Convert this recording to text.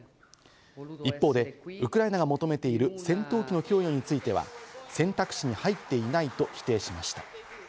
一方でウクライナが求めている戦闘機の供与については、選択肢に入っていないと否定しました。